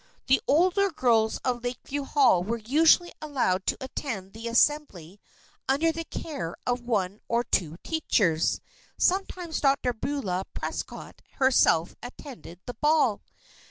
The older girls of Lakeview Hall were usually allowed to attend the assembly under the care of one or two teachers. Sometimes Dr. Beulah Prescott herself attended the ball.